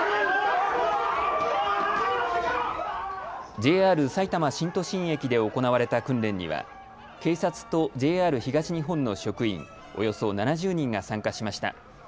ＪＲさいたま新都心駅で行われた訓練には警察とＪＲ東日本の職員およそ７０人が参加しました。